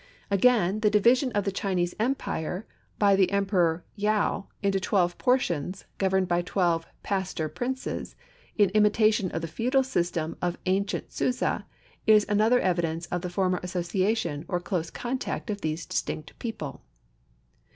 Again, the division of the Chinese empire by the Emperor Yaou into twelve portions, governed by twelve "Pastor Princes," in imitation of the feudal system of ancient Susa, is another evidence of the former association or close contact of these distinct people.